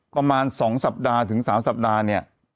ประมาณ๒สัปดาห์ถึง๓สัปดาห์เนี่ย